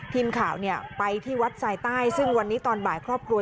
ทีมข่าวไปที่วัดสายใต้ซึ่งวันนี้ตอนบ่ายครอบครัว